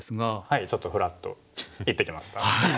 はいちょっとふらっと行ってきました。